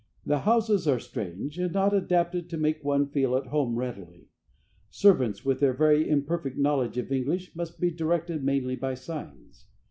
The houses are strange, and not adapted to make one feel at home readily. Servants with their very imperfect knowledge of English must be directed mainly by signs.